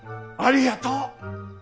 ありがとう。